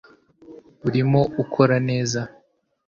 urimo ukora neza